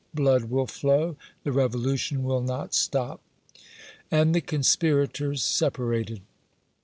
Blood will flow! The revolution will not stop!" And the conspirators separated.